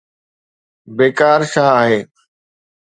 بيڪار ڇا آهي؟